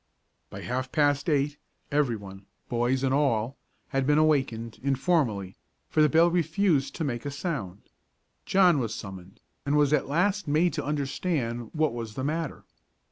By half past eight, every one, boys and all, had been awakened, informally, for the bell refused to make a sound. John was summoned, and was at last made to understand what was the matter.